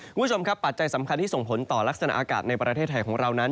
คุณผู้ชมครับปัจจัยสำคัญที่ส่งผลต่อลักษณะอากาศในประเทศไทยของเรานั้น